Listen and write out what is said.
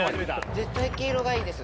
絶対黄色がいいです！